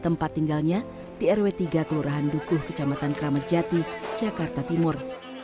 tempat tinggalnya di rw tiga kelurahan dukuh kecamatan kramat jati jakarta timur